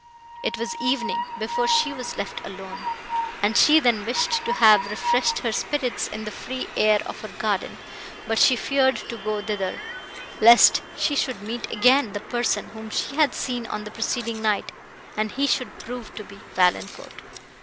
It was evening, before she was left alone, and she then wished to have refreshed her spirits in the free air of her garden; but she feared to go thither, lest she should meet again the person, whom she had seen on the preceding night, and he should prove to be Valancourt.